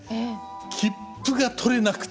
切符が取れなくて。